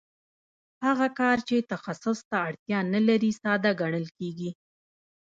هغه کار چې تخصص ته اړتیا نلري ساده ګڼل کېږي